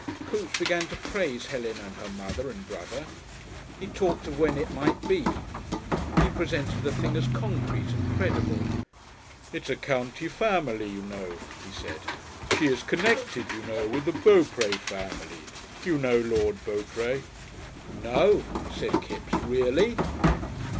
Coote began to praise Helen and her mother and brother. He talked of when "it" might be, he presented the thing as concrete and credible. "It's a county family, you know," he said. "She is connected, you know, with the Beaupres family you know Lord Beaupres." "No!" said Kipps, "reely!"